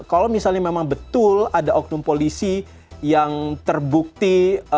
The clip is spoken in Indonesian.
kalau misalnya memang betul ada oknum polisi yang terbukti